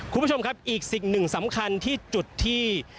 คุณผู้ชมครับอีกสิ่งหนึ่งสำคัญที่จุดที่